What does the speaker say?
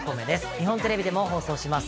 日本テレビでも放送します